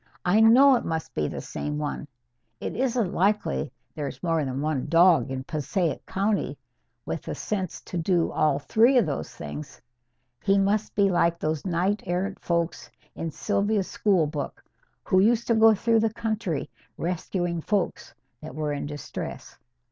I know it must be the same one. It isn't likely there's more than one dog in Passaic County with the sense to do all three of those things. He must be like those knight errant folks in Sylvia's school book, who used to go through the country rescuing folks that were in distress.